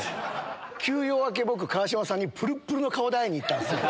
休養明け、僕、川島さんに、ぷるっぷるの顔で会いに行ったんですよ。